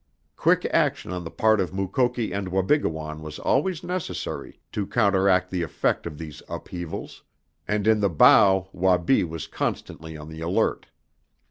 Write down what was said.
Quick action on the part of Mukoki and Wabigoon was always necessary to counteract the effect of these upheavals, and in the bow Wabi was constantly on the alert.